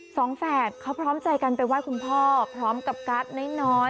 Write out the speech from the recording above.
สองแฝกเขาพร้อมใจกันไปว่ายคุณพ่อพร้อมกับกัสน้อย